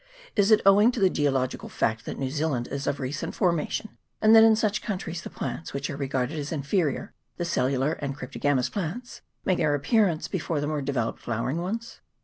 Is it owing to the geological fact that New Zealand is of recent formation, and that in such countries the plants which are regarded as inferior, the cellular and cryptogamous plants, make their appearance before the more developed flowering ones